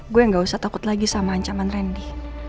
gue gak usah takut lagi sama ancaman randy